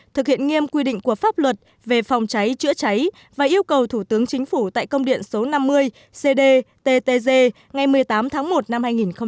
thực hiện nghiêm quy định của pháp luật về phòng cháy chữa cháy và yêu cầu thủ tướng chính phủ tại công điện số năm mươi cdttg ngày một mươi tám tháng một năm hai nghìn hai mươi